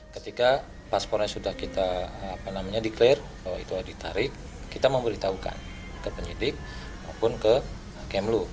ketika paspornya sudah kita declare kita memberitahukan ke penyidik maupun ke kemlu